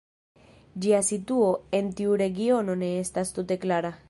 Ĝia situo en tiu regiono ne estas tute klara.